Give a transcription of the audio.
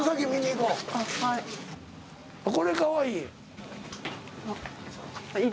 これかわいい！